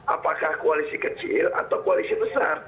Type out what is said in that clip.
apakah koalisi kecil atau koalisi besar